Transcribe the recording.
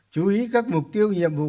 chú ý các mục tiêu nhiệm vụ